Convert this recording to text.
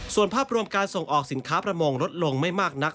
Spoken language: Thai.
ส่วนภาพรวมการส่งออกสินค้าประมงลดลงไม่มากนัก